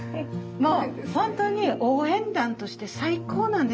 本当に応援団として最高なんです。